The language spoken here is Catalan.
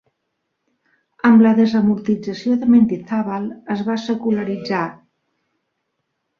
Amb la desamortització de Mendizábal es va secularitzar.